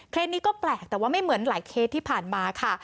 นี้ก็แปลกแต่ว่าไม่เหมือนหลายเคสที่ผ่านมาค่ะ